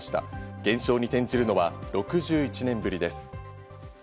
減少に転じるのは６１年ぶりです。